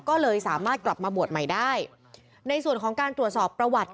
ก็เลยสามารถกลับมาบวชใหม่ได้ในส่วนของการตรวจสอบประวัติ